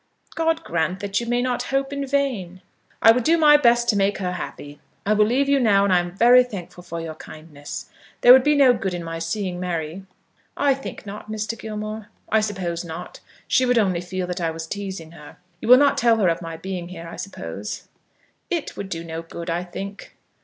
"God grant that you may not hope in vain!" "I would do my best to make her happy. I will leave you now, and am very thankful for your kindness. There would be no good in my seeing Mary?" "I think not, Mr. Gilmore." "I suppose not. She would only feel that I was teasing her. You will not tell her of my being here, I suppose?" "It would do no good, I think."